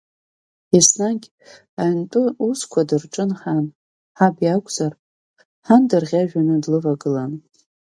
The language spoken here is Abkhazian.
Еснагь аҩнтәы усқәа дырҿын ҳан, ҳаб иакәзаргьы ҳан дарӷьажәҩаны длывагылан.